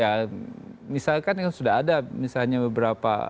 ya misalkan sudah ada misalnya beberapa